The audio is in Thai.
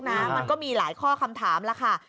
มันก็มีหลายข้อคำถามแล้วค่ะ